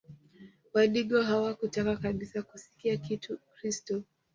Wadigo hawakutaka kabisa kusikia kitu Ukristo